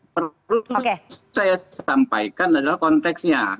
perlu saya sampaikan adalah konteksnya